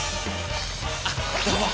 あっどうも。